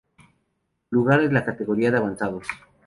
Lugar en la categoría de Avanzados.